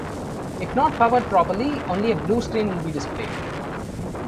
If not powered properly, only a blue screen will be displayed.